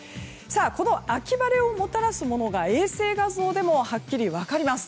この秋晴れをもたらすものが衛星画像でもはっきり分かります。